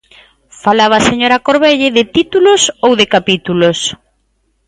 Falaba a señora Corvelle de títulos ou de capítulos.